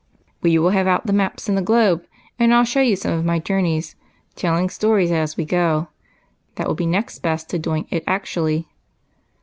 " We will have out the maps and the globe, and I '11 show you some of my journeys, telling stories as we go. That will be next best to doing it actually."